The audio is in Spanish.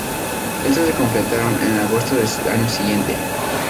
Estos se completaron en agosto del año siguiente.